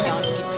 ya udah gitu